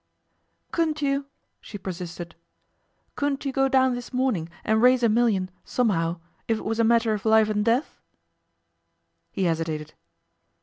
'Couldn't you,' she persisted, 'couldn't you go down this morning and raise a million, somehow, if it was a matter of life and death?' He hesitated.